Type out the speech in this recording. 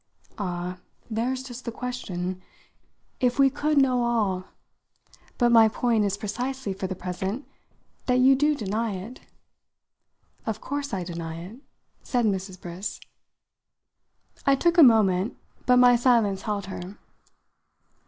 "Ah, there's just the question if we could know all! But my point is precisely, for the present, that you do deny it." "Of course I deny it," said Mrs. Briss. I took a moment, but my silence held her.